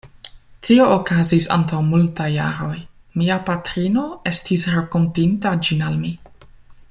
Tio okazis antaŭ multaj jaroj; mia patrino estis rakontinta ĝin al mi.